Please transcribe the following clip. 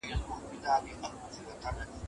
تاسو بايد د سياست په اړه د دقت کار واخلئ.